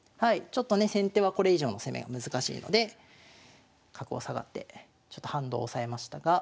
ちょっとね先手はこれ以上の攻めが難しいので角を下がってちょっと反動を抑えましたが。